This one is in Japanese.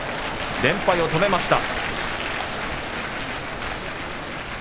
連敗を止めました。